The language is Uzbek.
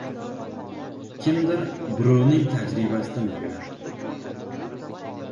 Kimdir birovning tajribasidan o‘rganadi.